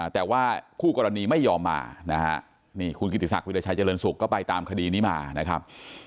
แต่ว่าคู่กรณีไม่ยอมมานะฮะนี่คุณกิติศักดิราชัยเจริญสุขก็ไปตามคดีนี้มานะครับ